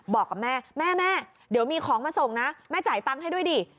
บอกกับแม่แม่แม่เดี๋ยวมีของมาส่งนะแม่จ่ายตังค์ให้ด้วยดิ